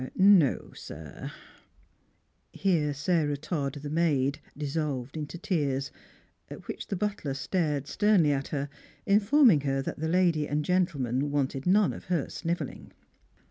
"No, sir." Here Sarah Todd, the maid, dissolved into tears ; at which the butler stared sternly at her, informing her that the lady and gentleman wanted none of her snivelling.